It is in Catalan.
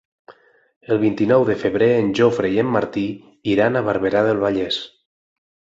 El vint-i-nou de febrer en Jofre i en Martí iran a Barberà del Vallès.